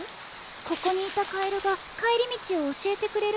ここにいたカエルが帰り道を教えてくれるはずだったの。